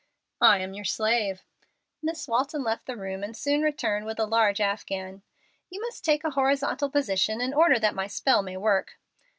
"I am your slave." Miss Walton left the room and soon returned with a large afghan. "You must take a horizontal position in order that my spell may work."